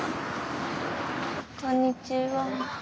こんにちは。